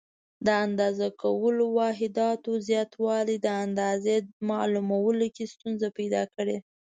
د اندازه کولو واحداتو زیاتوالي د اندازې معلومولو کې ستونزې پیدا کړې.